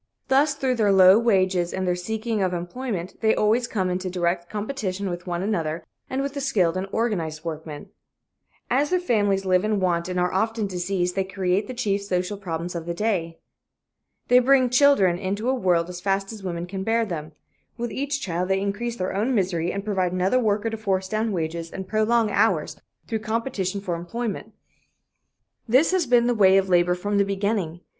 Thus, through their low wages and their seeking of employment, they always come into direct competition with one another and with the skilled and organized workmen. As their families live in want and are often diseased, they create the chief social problems of the day. They bring children into the world as fast as women can bear them. With each child they increase their own misery and provide another worker to force down wages and prolong hours, through competition for employment. This has been the way of labor from the beginning.